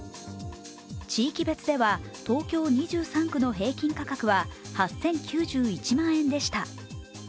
地域別では、東京２３区の平均価格は８０９１万円でした。